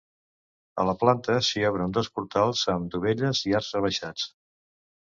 A la, planta s'hi obren dos portals, amb dovelles i arcs rebaixats.